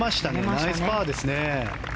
ナイスパーですね。